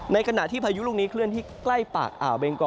ในขณะที่พายุลูกนี้เคลื่อนที่ใกล้ปากอ่าวเบงกอ